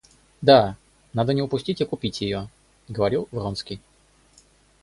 Да, надо не упустить и купить ее, — говорил Вронский.